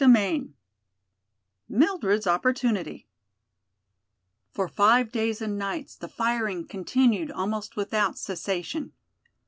CHAPTER X Mildred's Opportunity For five days and nights the firing continued almost without cessation.